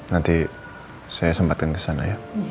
nanti saya sempatkan ke sana ya